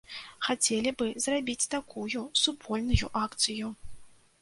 Хацелі бы зрабіць такую супольную акцыю.